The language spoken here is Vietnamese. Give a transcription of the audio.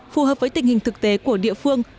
phù hợp với tình hình thực tế của địa phương